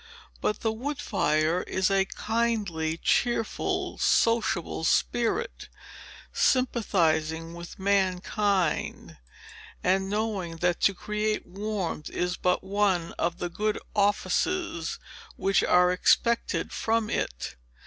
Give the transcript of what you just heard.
But the wood fire is a kindly, cheerful, sociable spirit, sympathizing with mankind, and knowing that to create warmth is but one of the good offices which are expected from it.